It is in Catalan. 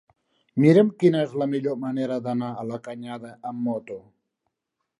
Mira'm quina és la millor manera d'anar a la Canyada amb moto.